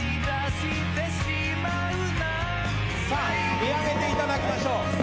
見上げていただきましょう。